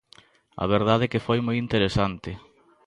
A verdade é que foi moi interesante.